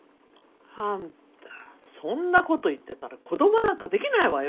あんたそんなこと言ってたら子供なんかできないわよ。